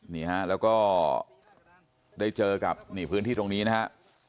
นี้ห้ะหัะละก็ได้เจอกับงี้พื้นที่ตรงนี้นะฮะ